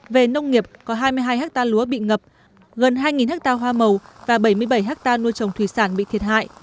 về nông nghiệp có hai mươi hai hectare lúa bị ngập gần hai ha hoa màu và bảy mươi bảy hectare nuôi trồng thủy sản bị thiệt hại